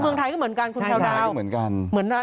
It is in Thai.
เมืองไทยก็เหมือนกันคุณแพลวดาว